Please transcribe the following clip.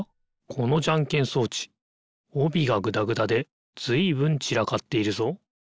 このじゃんけん装置おびがぐだぐだでずいぶんちらかっているぞ。